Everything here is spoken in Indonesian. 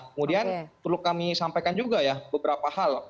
kemudian perlu kami sampaikan juga ya beberapa hal